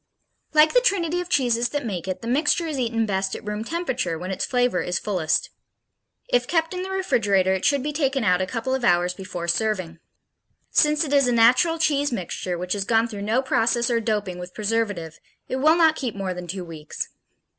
Like the trinity of cheeses that make it, the mixture is eaten best at room temperature, when its flavor is fullest. If kept in the refrigerator, it should be taken out a couple of hours before serving. Since it is a natural cheese mixture, which has gone through no process or doping with preservative, it will not keep more than two weeks.